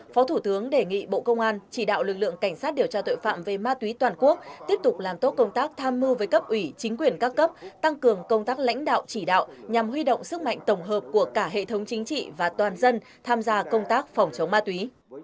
phó thủ tướng đề nghị bộ công an chỉ đạo lực lượng cảnh sát điều tra tội phạm về ma túy toàn quốc tiếp tục làm tốt công tác tham mưu với cấp ủy chính quyền các cấp tăng cường công tác lãnh đạo chỉ đạo nhằm huy động sức mạnh tổng hợp của cả hệ thống chính trị và toàn dân tham gia công tác phòng chống ma túy